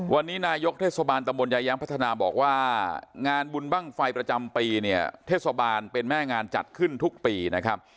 วันนี้นายกเทศบาลตะบนยายแย้มพัฒนาบอกว่างานบุญบ้างไฟประจำปีเนี่ยเทศบาลเป็นแม่งานจัดขึ้นทุกปีนะครับ